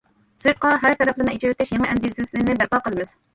سىرتقا ھەر تەرەپلىمە ئېچىۋېتىش يېڭى ئەندىزىسىنى بەرپا قىلىمىز.